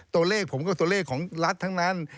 ตัวเลขผมก็ตัวเลขของรัฐทั้งนั้น